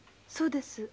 そうです。